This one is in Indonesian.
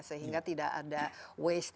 sehingga tidak ada waste